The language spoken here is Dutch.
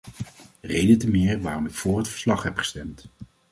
Reden te meer waarom ik voor het verslag heb gestemd.